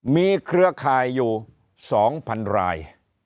มีเครือข่ายอยู่๒๐๐๐ราย